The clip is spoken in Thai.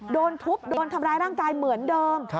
โดนทุบโดนทำร้ายร่างกายเหมือนเดิม